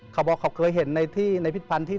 เขาบอกเขาเคยเห็นในพิษพันธ์ที่